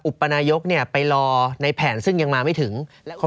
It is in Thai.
ปนายกไปรอในแผนซึ่งยังมาไม่ถึง